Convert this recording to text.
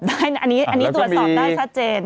อันนี้ตรวจสอบได้ชัดเจน